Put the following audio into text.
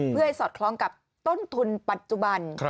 เพื่อให้สอดคล้องกับต้นทุนปัจจุบัน